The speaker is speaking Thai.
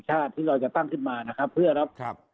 ที่เราจะตั้งขึ้นมานะครับเพื่อรับครับ